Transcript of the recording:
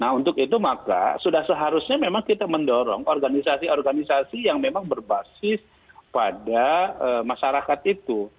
nah untuk itu maka sudah seharusnya memang kita mendorong organisasi organisasi yang memang berbasis pada masyarakat itu